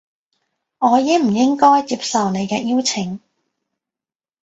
我應唔應該接受你嘅邀請